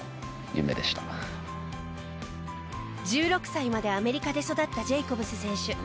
１６歳までアメリカで育ったジェイコブス選手。